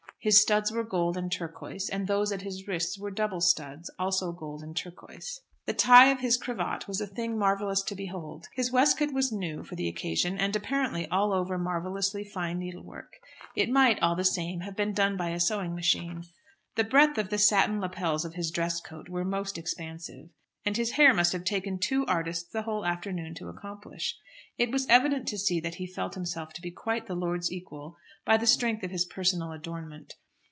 His studs were gold and turquoise, and those at his wrists were double studs, also gold and turquoise. The tie of his cravat was a thing marvellous to behold. His waistcoat was new for the occasion, and apparently all over marvellously fine needlework. It might, all the same, have been done by a sewing machine. The breadth of the satin lappets of his dress coat were most expansive. And his hair must have taken two artists the whole afternoon to accomplish. It was evident to see that he felt himself to be quite the lord's equal by the strength of his personal adornment.